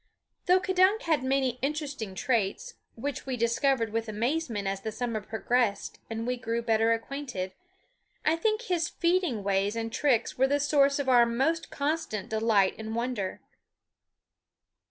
Though K'dunk had many interesting traits, which we discovered with amazement as the summer progressed and we grew better acquainted, I think that his feeding ways and tricks were the source of our most constant delight and wonder.